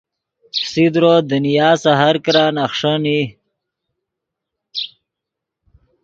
فسیدرو دنیا سے ہر کرن اخݰین ای